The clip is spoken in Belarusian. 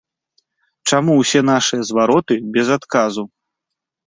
Чаму ўсе нашыя звароты без адказу?